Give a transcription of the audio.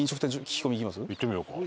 行ってみようか。